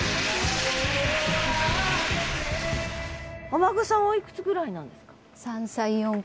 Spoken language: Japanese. お孫さんおいくつぐらいなんですか？